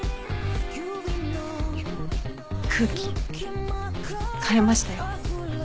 空気変えましたよ。